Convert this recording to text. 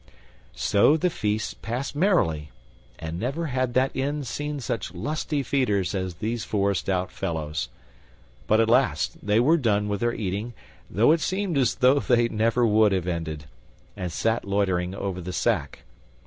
So the feast passed merrily, and never had that inn seen such lusty feeders as these four stout fellows; but at last they were done their eating, though it seemed as though they never would have ended, and sat loitering over the sack.